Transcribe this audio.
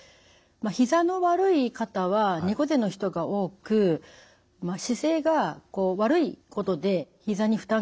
ひざの悪い方は猫背の人が多く姿勢が悪いことでひざに負担がかかります。